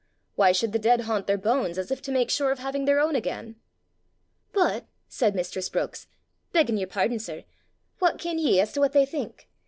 Why should the dead haunt their bones as if to make sure of having their own again?" "But," said mistress Brookes, "beggin' yer pardon, sir, what ken ye as to what they think?